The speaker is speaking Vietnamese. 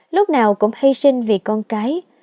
lúc nào cũng hy sinh vì con cái